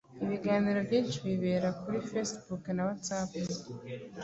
ibiganiro byinshi bibera kuri facebook na whatsapp